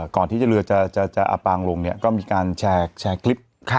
ก่อนที่จะเรือจะจะจะอับปางลงเนี้ยก็มีการแชร์แชร์คลิปค่ะ